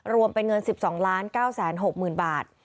รวมเป็นเงิน๑๒๙๖๐๐๐บาท